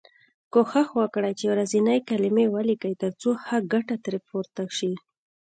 کوښښ وکړی چې ورځنۍ کلمې ولیکی تر څو ښه ګټه ترې پورته شی.